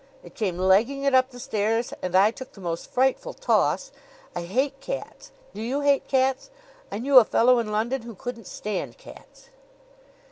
"It came legging it up the stairs and I took the most frightful toss. I hate cats! Do you hate cats? I knew a fellow in London who couldn't stand cats."